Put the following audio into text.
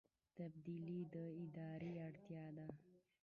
تبدیلي د ادارې اړتیا ده